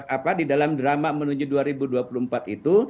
apa di dalam drama menuju dua ribu dua puluh empat itu